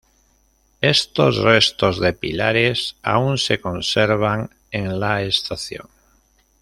Estos restos de pilares aún se conservan en la estación.